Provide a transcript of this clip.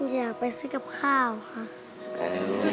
อยากไปซื้อกับข้าวค่ะ